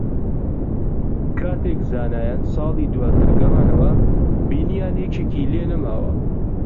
کاتێک زانایان ساڵی داواتر گەڕانەوە، بینییان یەکێکی لێ نەماوە